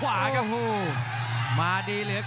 และอัพพิวัตรสอสมนึก